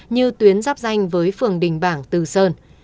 như tuyến giáp danh với phường đình bảng từ sơn